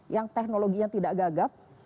yang teknologinya tidak gagap